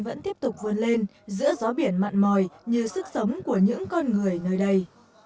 vẫn tiếp tục vươn lên giữa gió biển mặn mòi như sức sống của những con người nơi đây